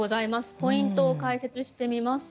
ポイントを解説してみます。